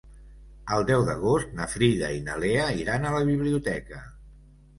El deu d'agost na Frida i na Lea iran a la biblioteca.